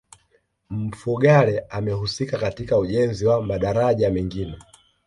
mfugale amehusika katika ujenzi wa madaraja mengine